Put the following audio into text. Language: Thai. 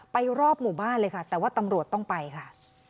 รอบหมู่บ้านเลยค่ะแต่ว่าตำรวจต้องไปค่ะ